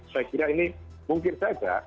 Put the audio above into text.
saya kira ini mungkin saja